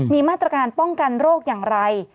มีมาตรการป้องกันโรคอย่างไร